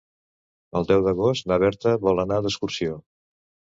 El deu d'agost na Berta vol anar d'excursió.